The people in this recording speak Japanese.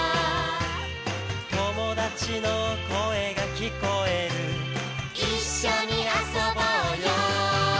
「友達の声が聞こえる」「一緒に遊ぼうよ」